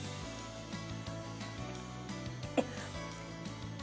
えっ？